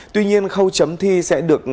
tuy nhiên khâu chấm thi sẽ được